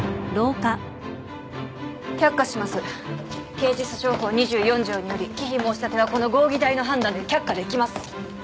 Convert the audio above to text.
刑事訴訟法２４条により忌避申し立てはこの合議体の判断で却下できます。